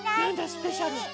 スペシャル！